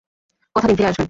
কথা দিন ফিরে আসবেন।